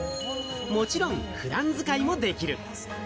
もちろん普段使いもできる。